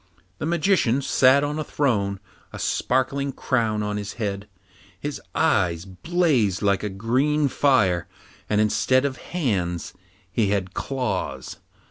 The Magician sat on a throne, a sparkling crown on his head; his eyes blazed like a green fire, and instead of hands he had claws.